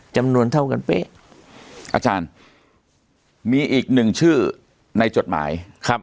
จำนวนเท่ากันเป๊ะอาจารย์มีอีกหนึ่งชื่อในจดหมายครับ